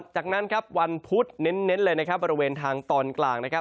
จากนั้นครับวันพุธเน้นเลยนะครับบริเวณทางตอนกลางนะครับ